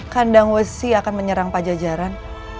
kandang wesi akan menyerang pak jajaran